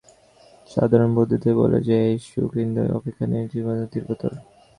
সাধারণ বুদ্ধিতেই বলে যে, এই সুখ ইন্দ্রিয়সুখ অপেক্ষা নিশ্চয় তীব্রতর।